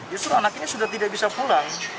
justru anak ini sudah tidak bisa pulang